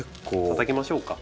たたきましょうか。